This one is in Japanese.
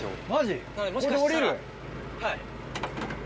はい。